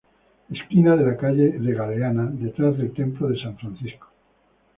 Esquina de la calle de Galeana, detrás del templo de San Francisco.